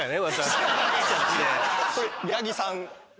八木さん？